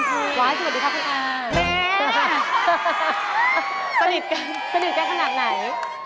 สวัสดีครับคุณอาแม่สนิทกันสนิทกันขนาดไหน